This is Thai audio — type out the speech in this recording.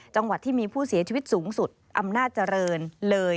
จังหวัดที่มีผู้เสียชีวิตสูงสุดอำนาจเจริญเลย